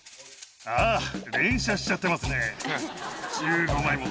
ああ、連写しちゃってますね。